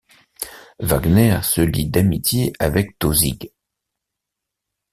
Wagner se lie d'amitié avec Tausig.